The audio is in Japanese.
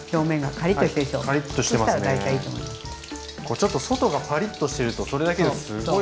ちょっと外がパリッとしてるとそれだけですごい。